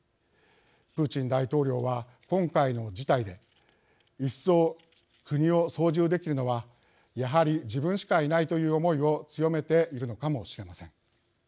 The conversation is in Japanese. プーチン大統領は今回の事態で一層国を操縦できるのはやはり自分しかいないという思いを強めているのかもしれません。